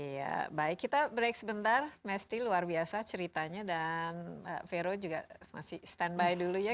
iya baik kita break sebentar mesti luar biasa ceritanya dan vero juga masih standby dulu ya